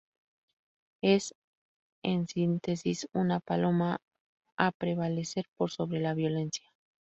Es, en síntesis, una paloma a prevalecer por sobre la violencia.